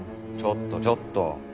ちょっとちょっと。